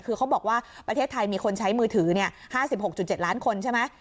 คือเขาบอกว่าประเทศไทยมีคนใช้มือถือ๕๖๗ล้านคนใช่ไหม